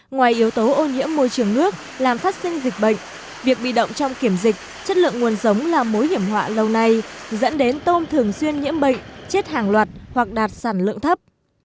ngoài yếu tố ô nhiễm môi trường nước làm phát sinh dịch bệnh việc bị động trong kiểm dịch chất lượng nguồn giống là mối hiểm họa lâu nay dẫn đến tôm thường xuyên nhiễm bệnh chết hàng loạt hoặc đạt sản lượng thấp